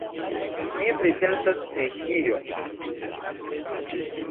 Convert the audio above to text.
Mi pripensas pri io.